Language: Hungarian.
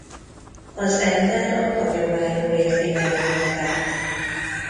Az ember a hagyományból érti meg önmagát.